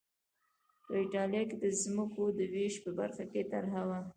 په اېټالیا کې د ځمکو د وېش په برخه کې طرحه وه